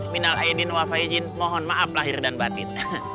mohon maaf lahir dan batin